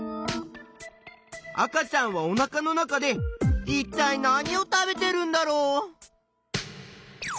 赤ちゃんはおなかの中でいったい何を食べてるんだろう？